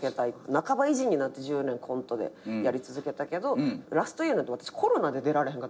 半ば意地になって１０年コントでやり続けたけどラストイヤーなんて私コロナで出られへんかった。